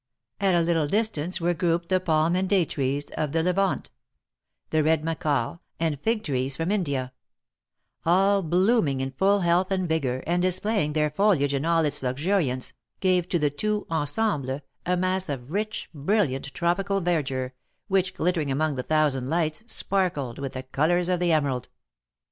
At a little distance were grouped the palm and date trees of the Levant; the red macaw, and fig trees from India; all blooming in full health and vigour, and displaying their foliage in all its luxuriance, gave to the tout ensemble a mass of rich, brilliant tropical verdure, which, glittering among the thousand lights, sparkled with the colours of the emerald.